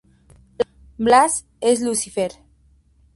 Blas es Lucifer.